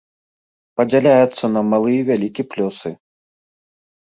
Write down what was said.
Падзяляецца на малы і вялікі плёсы.